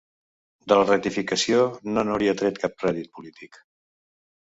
De la rectificació, no n’hauria tret cap rèdit polític.